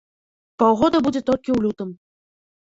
Паўгода будзе толькі ў лютым.